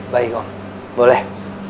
baik om boleh